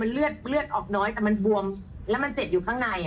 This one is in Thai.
เลือดออกน้อยแต่มันบวมแล้วมันเจ็บอยู่ข้างใน